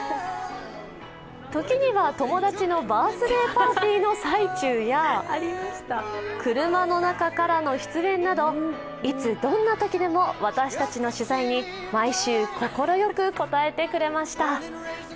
時には、友達のバースデーパーティーの最中や車の中からの出演など、いつ、どんなときでも私たちの取材に毎週、快く応えてくれました。